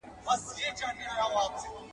• د پاسه مسله راغله، په درست جهان خوره راغله.